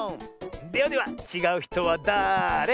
ではではちがうひとはだれ？